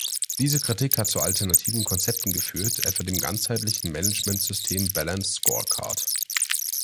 Diese Kritik hat zu alternativen Konzepten geführt, etwa dem ganzheitlichen Managementsystem "Balanced Scorecard".